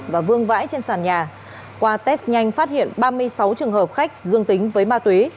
và vương vãi trên sàn nhà qua test nhanh phát hiện ba mươi sáu trường hợp khách dương tính với ma túy